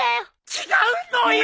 違うのよ！